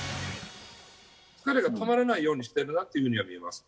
疲れがたまらないようにしてるなっていうふうには見えます。